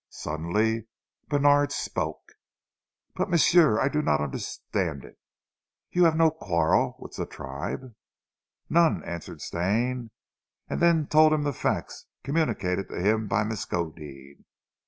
Suddenly Bènard spoke. "But, m'sieu, I do not understand eet. You haf no quarrel with zee tribe?" "None," answered Stane, and then told him the facts communicated to him by Miskodeed.